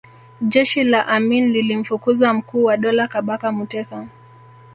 jeshi la amin lilimfukuza mkuu wa dola Kabaka mutesa